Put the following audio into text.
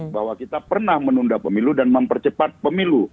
bahwa kita pernah menunda pemilu dan mempercepat pemilu